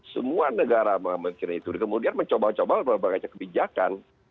semua negara mengamalkan itu kemudian mencobal cobal berbagai kebijakan